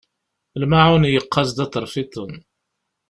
Lmaεun yeqqaz-d aḍref-iḍen.